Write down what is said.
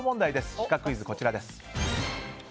シカクイズ、こちらです。